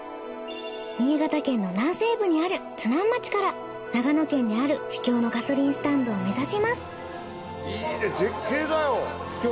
新潟県の南西部にある津南町から長野県にある秘境のガソリンスタンドを目指します。